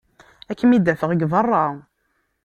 Ad kem-id-afeɣ deg berra.